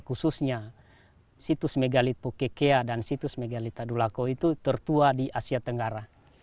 khususnya situs megalit pokekea dan situs megalit tadulako itu tertua di asia tenggara